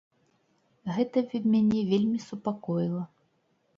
Гэта мяне вельмі супакоіла.